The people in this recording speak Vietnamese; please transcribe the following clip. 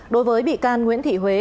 đối với bị can nguyễn thị huế